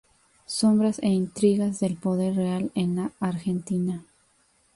Sombras e intrigas del poder real en la Argentina".